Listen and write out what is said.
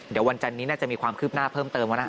เดี๋ยววันจันนี้น่าจะมีความคืบหน้าเพิ่มเติมว่านะ